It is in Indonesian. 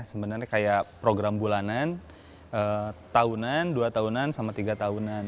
sebenarnya kayak program bulanan tahunan dua tahunan sama tiga tahunan